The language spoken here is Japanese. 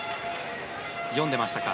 読んでいましたか。